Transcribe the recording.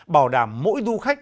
bảo đảm mỗi du khách